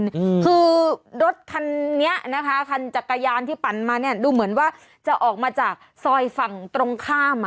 อืมคือรถคันนี้นะคะคันจักรยานที่ปั่นมาเนี้ยดูเหมือนว่าจะออกมาจากซอยฝั่งตรงข้ามอ่ะ